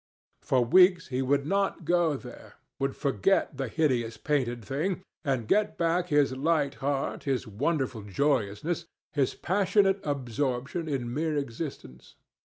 For weeks he would not go there, would forget the hideous painted thing, and get back his light heart, his wonderful joyousness, his passionate absorption in mere existence.